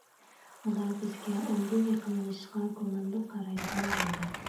ئۇلار بىزگە ئەمدى يېقىنلىشىشقا گۇمانلىق قارايدىغان بولدى.